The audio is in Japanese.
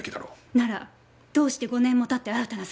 ならどうして５年も経って新たな殺人を？